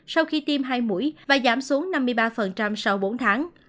sau khi tiêm hai mũi và giảm xuống năm mươi ba sau bốn tháng